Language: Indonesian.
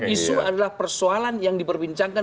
isu adalah persoalan yang diperbincangkan